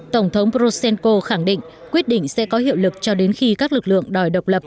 tổng thống proshenko khẳng định quyết định sẽ có hiệu lực cho đến khi các lực lượng đòi độc lập